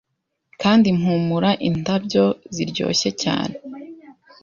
kandi mpumura indabyo ziryoshye cyane